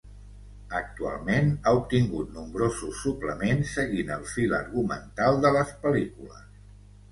Actualment ha obtingut nombrosos suplements, seguint el fil argumental de les pel·lícules.